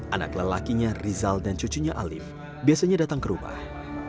anak lelakinya rizal dan cucunya alif biasanya datang ke rumah